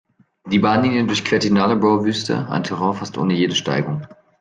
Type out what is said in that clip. Die Bahnlinie durchquert die Nullarbor-Wüste, ein Terrain fast ohne jede Steigung.